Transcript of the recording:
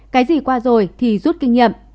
cái gì qua rồi thì rút kinh nghiệm